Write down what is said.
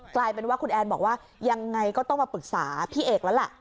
กลายเป็นว่าคุณแอนบอกว่ายังไงก็ต้องมาปรึกษาพี่เอกแล้วแหละ